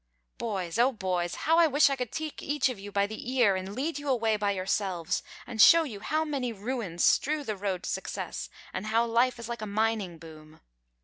Boys, oh, boys! How I wish I could take each of you by the ear and lead you away by yourselves, and show you how many ruins strew the road to success, and how life is like a mining boom.